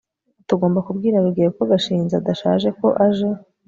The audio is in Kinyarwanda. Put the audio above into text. tugomba kubwira rugeyo ko gashinzi adashaka ko aje